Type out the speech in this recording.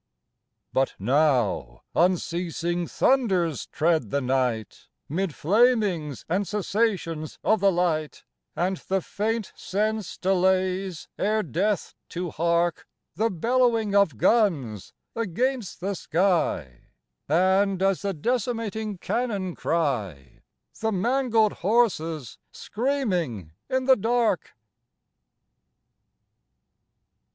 But now unceasing thunders tread the night, Mid flamings and cessations of the light, And the faint sense delays ere death to hark The bellowing of guns against the sky, And, as the decimating cannon cry, The mangled horses screaming in the dark.